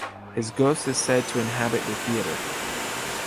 His ghost is said to inhabit the theatre.